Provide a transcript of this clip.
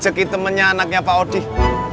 rezeki temennya anaknya pak odih